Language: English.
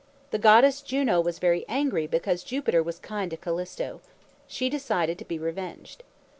The goddess Juno was very angry because Jupiter was kind to Callisto. She decided to be revenged.